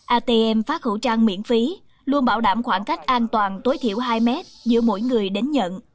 atm phát khẩu trang miễn phí luôn bảo đảm khoảng cách an toàn tối thiểu hai mét giữa mỗi người đến nhận